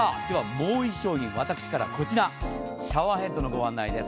もう１商品私からこちらシャワーヘッドのご案内です。